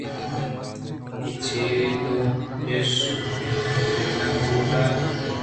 کہ چد ءُ پیش بِہ نہ بُوتگاں